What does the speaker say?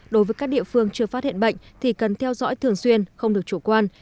đối với các địa phương chưa phát hiện bệnh thì cần theo dõi thường xuyên không được chủ quan